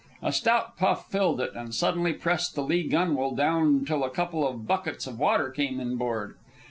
A stout puff filled it and suddenly pressed the lee gunwale down till a couple of buckets of water came inboard.